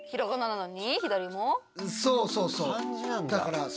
そうそうそう。